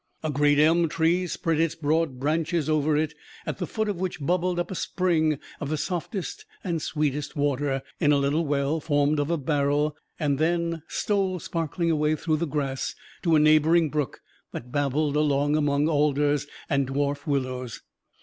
A great elm tree spread its broad branches over it, at the foot of which bubbled up a spring of the softest and sweetest water, in a little well formed of a barrel, and then stole sparkling away through the grass, to a neighboring brook that babbled along among alders and dwarf willows.